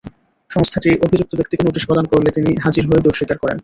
সংস্থাটি অভিযুক্ত ব্যক্তিকে নোটিশ প্রদান করলে তিনি হাজির হয়ে দোষ স্বীকার করেন।